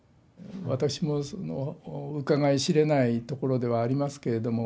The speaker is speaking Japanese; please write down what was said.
私もうかがい知れないところではありますけれども。